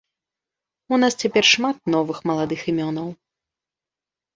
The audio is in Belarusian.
У нас цяпер шмат новых маладых імёнаў.